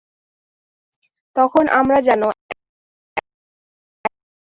তখন আমরা যেন একটা অদ্ভুত ভাষায় কথা বলিব।